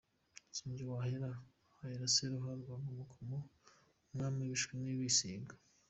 Si njye wahera, hahera Saruhara rwa Nkomokomo, umwami w’ibishwi n’ibisiga !.